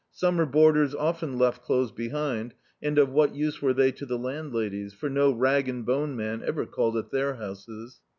Summer boarders often left clothes behind, and of what use were they to the landladies, for no rag and bone man ever called at their houses.